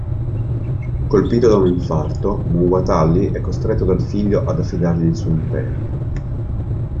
Colpito da un infarto, Muwatalli è costretto dal figlio ad affidargli il suo impero.